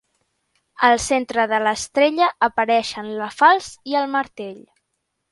Al centre de l'estrella apareixen la falç i el martell.